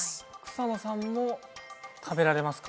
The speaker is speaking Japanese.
草野さんも食べられますか？